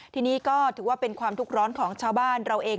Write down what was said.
ทีนี้ก็ถือว่าเป็นความทุกข์ร้อนของชาวบ้านเราเอง